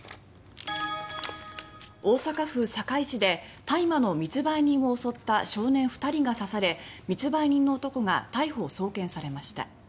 大阪府堺市で大麻の密売人を襲った少年２人が刺され密売人の男が逮捕・送検されました。